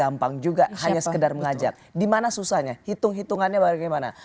gampang juga hanya sekedar mengajak dimana susahnya hitung hitungannya bagaimana